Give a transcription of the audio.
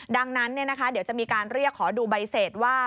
ดังนั้นเดี๋ยวจะมีการเรียกขอดูใบเสร็จว่า